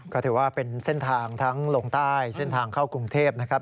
ก็ถือว่าเป็นเส้นทางทั้งลงใต้เส้นทางเข้ากรุงเทพนะครับ